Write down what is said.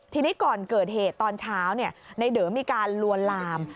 ทีนี้ก่อนเกิดเหตุตอนเช้าในเดอมีการลวนลาม